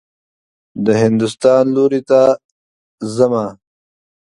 د هندوستان لوري ته حمه.